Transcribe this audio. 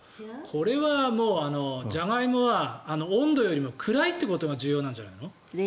これはもうジャガイモは温度よりも暗いということが重要なんじゃないの？